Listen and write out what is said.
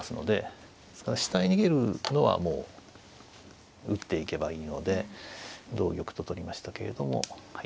ですから下へ逃げるのはもう打っていけばいいので同玉と取りましたけれども。